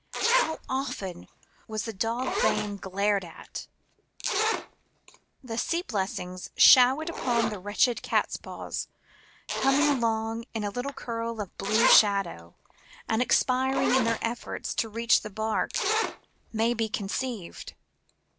How ofte^ was the dog vane glared at ? 9 126 CALMS AND SEAS. The sea blessings showered upon the wretched catspaws coming along in a little curl of blue shadow, and expiring in their efforts to reach the barque may be conceived.